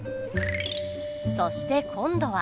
そして今度は。